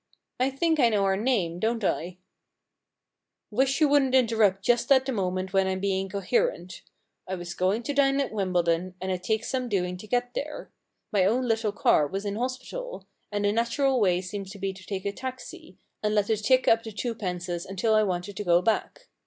* I think I know her name, don't I ?'* Wish you wouldn't interrupt just at the moment when Fm being coherent. I was going to dine at Wimbledon, and it takes some doing to get there. My own little car was in hospital, and the natural way seemed to be to take a taxi, and let it tick up the two pences until I wanted to go back.